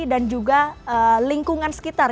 dan juga lingkungan sekitar